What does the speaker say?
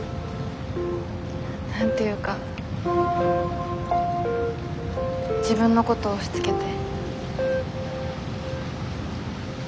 何て言うか自分のこと押しつけて。